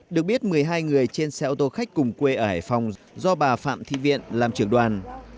được biết một mươi hai người trên xe ôtô khách cùng quê ở hải phòng do bà phạm thi viện làm trưởng đoàn